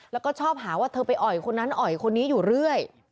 แล้วก็ชอบหาว่าเธอไปอ่อยคนนั้นอ่อยคนนี้อยู่เรื่อย